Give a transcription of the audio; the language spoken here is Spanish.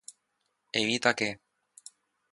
Evita que